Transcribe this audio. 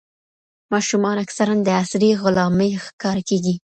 ماشومان اکثرا د عصري غلامۍ ښکار کیږي.